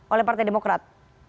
oleh partai demokrat